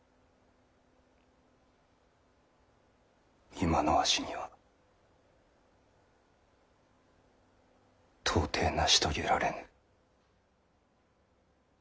今のわしには到底成し遂げられぬ。